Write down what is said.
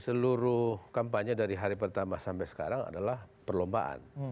seluruh kampanye dari hari pertama sampai sekarang adalah perlombaan